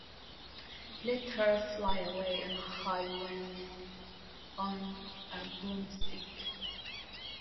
Let her fly away in a high wind on a broomstick!